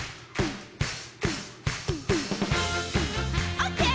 オッケー！